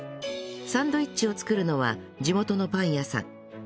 サンドイッチを作るのは地元のパン屋さん